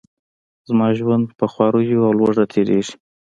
زما ژوند په خواریو او لوږه تیریږي.